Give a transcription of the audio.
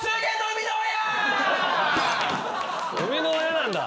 産みの親なんだ。